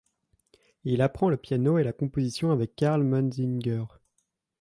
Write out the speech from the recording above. Il apprend le piano et la composition avec Karl Munzinger.